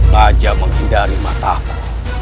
ngajak menghindari mataku